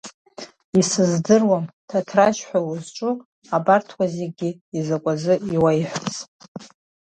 Исыздыруам Ҭаҭрашь ҳәа узҿу абарҭқәа зегьы изакәазы иуеиҳәаз!